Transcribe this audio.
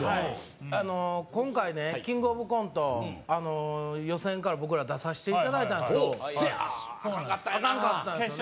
今回ねキングオブコント予選から僕ら出させていただいたんですよそやアカンかったんやなアカンかったんですよね